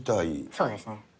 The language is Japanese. そうですね。